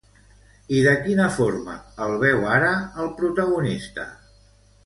I de quina forma el veu ara el protagonista?